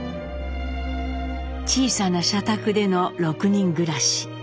小さな社宅での６人暮らし。